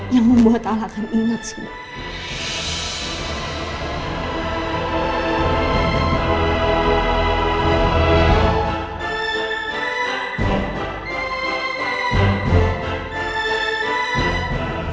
yang membuat allah akan ingat semua